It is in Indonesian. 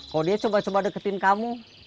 kalau dia coba coba deketin kamu